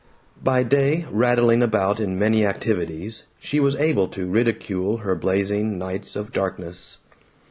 By day, rattling about in many activities, she was able to ridicule her blazing nights of darkness.